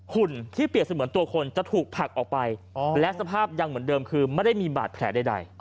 หุ่นที่เปรียบเสมือนตัวคนจะถูกผลักออกไปและสภาพยังเหมือนเดิมคือไม่ได้มีบาดแผลใด